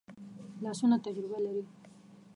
لاسونه تجربه لري